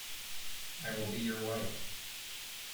I will be your wife.